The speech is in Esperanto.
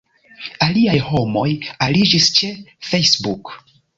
Aliaj homoj aliĝis ĉe Facebook.